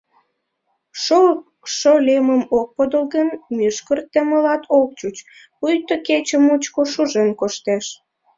Шокшо лемым ок подыл гын, мӱшкыр теммылат ок чуч, пуйто кече мучко шужен коштеш.